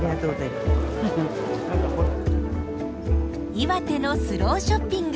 岩手のスローショッピング。